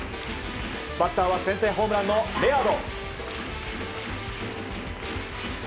バッターは先制ホームランのレアード。